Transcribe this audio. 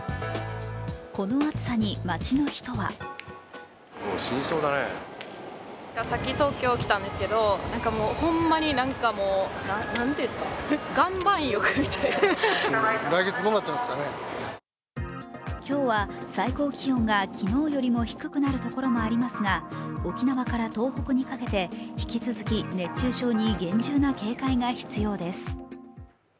この暑さに街の人は今日は最高気温が昨日よりも低くなるところもありますが沖縄から東北にかけて、引き続き熱中症に厳重な警戒が必要です。